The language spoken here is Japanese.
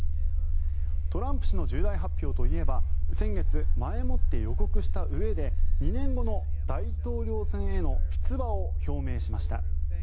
トランプ氏の重大発表といえば先月、前もって予告したうえで２年後の大統領選への出馬を表明しました。